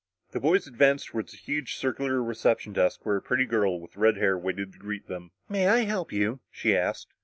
The boys advanced toward the huge circular reception desk where a pretty girl with red hair waited to greet them. "May I help you?" she asked.